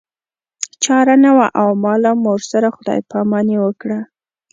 چاره نه وه او ما له مور سره خدای پاماني وکړه